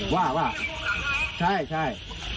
ว่าว่าใช่